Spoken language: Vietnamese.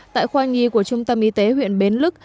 tại khoa nhi của trung tâm y tế huyện bến lức